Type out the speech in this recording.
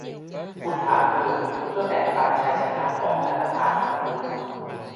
คุณถามเธอเพื่อแบ่งปันชัยชนะของธนาคารของคุณ